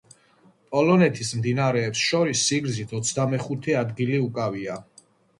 პოლონეთის მდინარეებს შორის სიგრძით ოცდამეხუთე ადგილი უკავია.